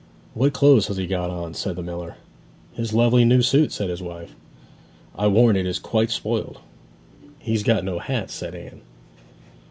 'What clothes has he got on?' said the miller. 'His lovely new suit,' said his wife. 'I warrant it is quite spoiled!' 'He's got no hat,' said Anne.